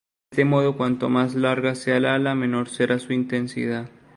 De este modo, cuanto más larga sea el ala, menor será su intensidad.